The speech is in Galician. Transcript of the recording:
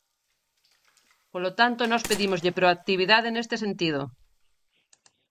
Polo tanto, nós pedímoslle proactividade neste sentido.